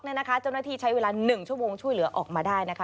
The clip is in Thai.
เจ้าหน้าที่ใช้เวลา๑ชั่วโมงช่วยเหลือออกมาได้นะคะ